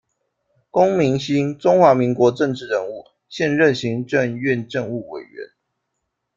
龚明鑫，中华民国政治人物，现任行政院政务委员。